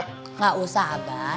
nggak usah abah